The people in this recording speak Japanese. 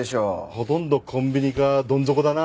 ほとんどコンビニかどんぞこだな俺。